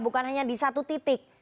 bukan hanya di satu titik